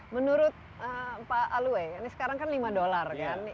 menurut pak alwe ini sekarang kan lima dolar kan